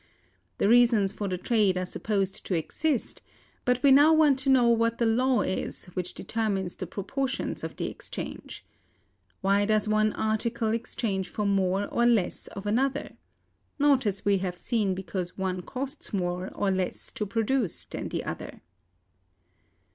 The reasons for the trade are supposed to exist; but we now want to know what the law is which determines the proportions of the exchange. Why does one article exchange for more or less of another? Not, as we have seen, because one costs more or less to produce than the other.